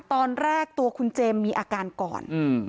ตอนแรกตัวคุณเจมส์มีอาการก่อน